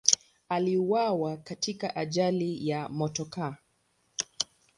Aliuawa katika ajali ya motokaa.